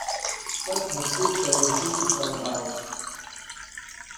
Such description received some doubts.